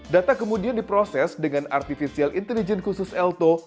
data kemudian diproses dengan artificial intelligence khusus elto